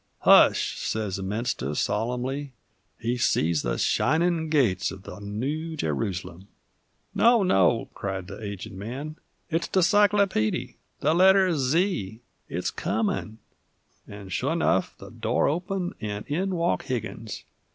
"Hush," says the minister, solemnly; "he sees the shinin' gates uv the Noo Jerusalum." "No, no," cried the aged man; "it is the cyclopeedy the letter Z it's comin'!" And, sure enough! the door opened, and in walked Higgins.